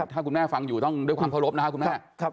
ถ้าคุณแม่ฟังอยู่ต้องด้วยความเคารพนะครับคุณแม่